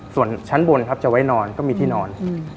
ส่วนชั้นบนครับจะไว้นอนก็มีที่นอน